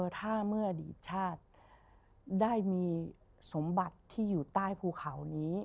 ถ้าเมื่ออดีตชาติได้มีสมบัติที่อยู่ใต้ภูเขานี้